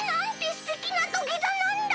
すてきな土下座なんだ！